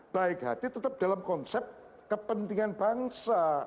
baik hati tetap dalam konsep kepentingan bangsa